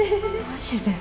マジで？